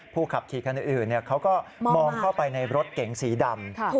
ขับขี่คันอื่นเขาก็มองเข้าไปในรถเก๋งสีดำ